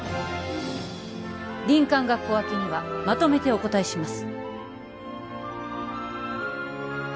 林間学校明けにはまとめてお答えします